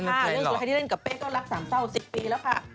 เรื่องสุดท้ายที่เล่นกับเป้ก็รักสามเศร้า๑๐ปีแล้วค่ะ